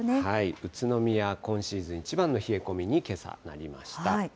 宇都宮、今シーズン一番の冷え込みにけさなりました。